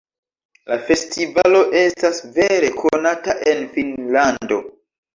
La festivalo estas vere konata en Finnlando.